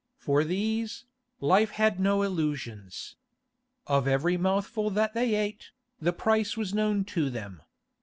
For these, life had no illusions. Of every mouthful that they ate, the price was known to them.